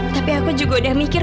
tapi aku juga udah mikir